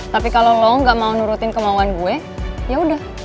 tapi kalo lo gak mau nurutin kemauan gue ya udah